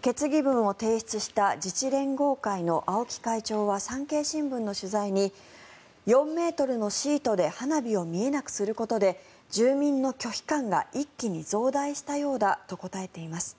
決議文を提出した自治連合会の青木会長は産経新聞の取材に４ｍのシートで花火を見えなくすることで住民の拒否感が一気に増大したようだと答えています。